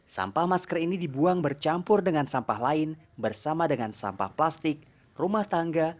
sampah masker ini dibuang bercampur dengan sampah lain bersama dengan sampah plastik rumah tangga